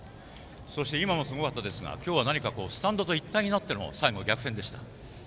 今もすごかったですが今日はスタンドと一体になっての最後、逆転でした。